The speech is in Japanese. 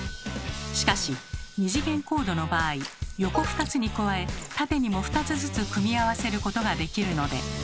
しかし２次元コードの場合横２つに加え縦にも２つずつ組み合わせることができるので。